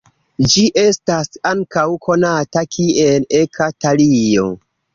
Ĝi estas ankaŭ konata kiel eka-talio.